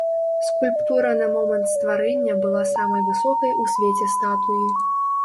Скульптура на момант стварэння была самай высокай у свеце статуі.